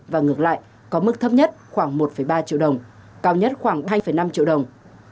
và ngược lại có mức thấp nhất khoảng một ba triệu đồng cao nhất khoảng hai năm triệu đồng